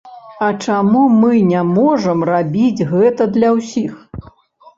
А чаму мы не можам рабіць гэта для ўсіх?